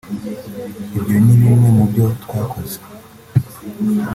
Ibyo ni bimwe mu byo twakoze